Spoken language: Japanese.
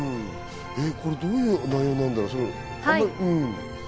どういう内容なんだろう。